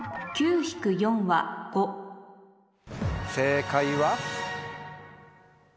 正解は？